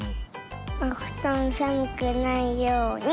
おふとんさむくないように！